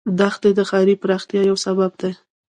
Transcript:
دښتې د ښاري پراختیا یو سبب دی.